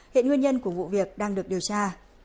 hiện nguyên nhân của vụ việc đang được điều tra